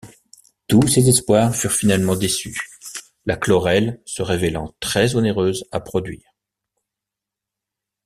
Tous ces espoirs furent finalement déçus, la Chlorelle se révélant très onéreuse à produire.